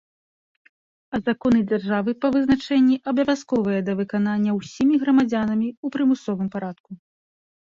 А законы дзяржавы, па вызначэнні, абавязковыя да выканання ўсімі грамадзянамі ў прымусовым парадку.